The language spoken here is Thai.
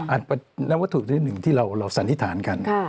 อันแนววัตถุที่๑ที่เราสันนิษฐานกัน